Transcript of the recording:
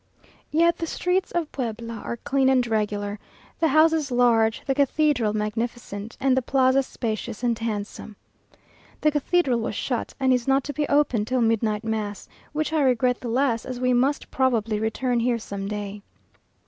Yet the streets of Puebla are clean and regular, the houses large, the cathedral magnificent, and the plaza spacious and handsome. The cathedral was shut, and is not to be opened till midnight mass, which I regret the less as we must probably return here some day.